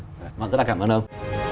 rất là cảm ơn ông